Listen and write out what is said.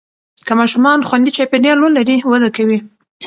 که ماشومان خوندي چاپېریال ولري، وده کوي.